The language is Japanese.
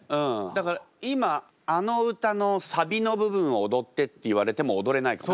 だから今あの歌のサビの部分を踊ってって言われても踊れないかも。